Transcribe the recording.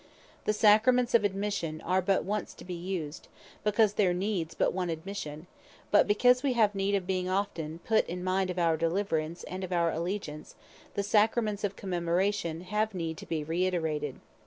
The Sacraments of Admission, are but once to be used, because there needs but one Admission; but because we have need of being often put in mind of our deliverance, and of our Allegeance, The Sacraments of Commemoration have need to be reiterated.